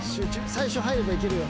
最初入ればいけるよ。